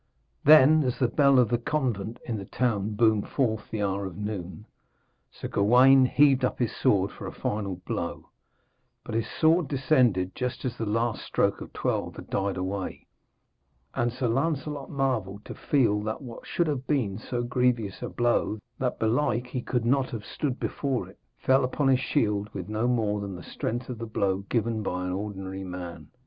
Then, as the bell of the convent in the town boomed forth the hour of noon, Sir Gawaine heaved up his sword for a final blow; but his sword descended just as the last stroke of twelve had died away, and Sir Lancelot marvelled to feel that what should have been so grievous a blow that, belike, he could not have stood before it, fell upon his shield with no more than the strength of the blow given by an ordinary man.